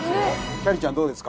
きゃりーちゃんどうですか？